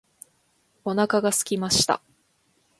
お腹が空きました。